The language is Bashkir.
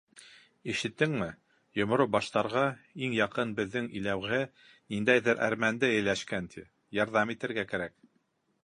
— Ишеттеңме, Йомро Баштарға иң яҡын беҙҙең иләүғә, ниндәйҙер әрмәнде эйәләшкән, ти. ярҙам итергә кәрәк.